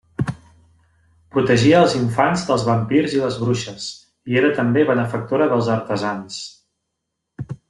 Protegia els infants dels vampirs i les bruixes, i era també benefactora dels artesans.